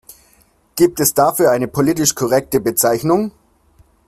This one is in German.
Gibt es dafür eine politisch korrekte Bezeichnung?